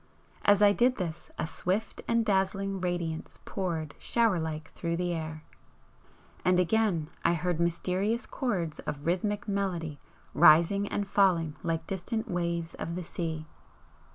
As I did this a swift and dazzling radiance poured shower like through the air, and again I heard mysterious chords of rhythmic melody rising and falling like distant waves of the sea.